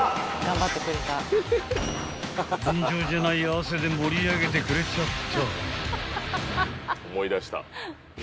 ［尋常じゃない汗で盛り上げてくれちゃった］